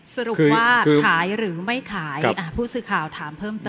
สรุปว่าขายหรือไม่ขายผู้สื่อข่าวถามเพิ่มเติม